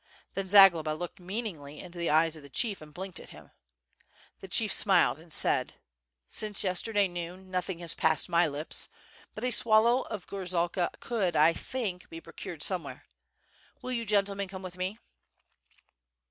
Then Zagloba looked meaningly into the eyes of the chief, and blinked at him. The chief smiled and said: "Since yesterday noon nothing has passed my lips; but a swallow of gorzalka could, I think, be procured somewhere. Will you gentlemen come with me?